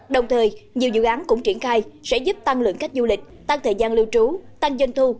đồng thời nhiều dự án cũng triển khai sẽ giúp tăng lượng cách du lịch tăng thời gian lưu trú tăng dân thu